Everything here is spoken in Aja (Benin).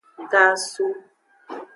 Gasu.